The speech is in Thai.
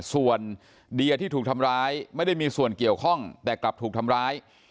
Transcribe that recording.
ส่วนเดียที่ถูกทำร้ายไม่ได้มีส่วนเกี่ยวข้องแต่กลับถูกทำร้าย